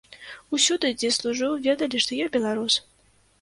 Усюды, дзе служыў, ведалі, што я беларус.